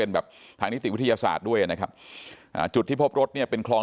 แบบทางนิติวิทยาศาสตร์ด้วยนะครับอ่าจุดที่พบรถเนี่ยเป็นคลอง